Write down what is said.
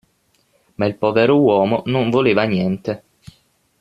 Ma il povero uomo non voleva niente.